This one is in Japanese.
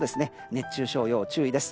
熱中症、要注意です。